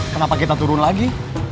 kenapa kita turun lagi